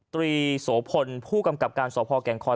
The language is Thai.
ตรีโสพลผู้กำกับการสพแก่งคอย